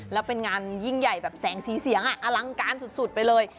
แล้วเป็นงานยิ่งใหญ่แบบแสงสีเสียงอลังการสุดไปเลย